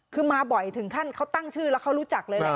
คือมาบ่อยถึงขั้นเขาตั้งชื่อแล้วเขารู้จักเลยแหละ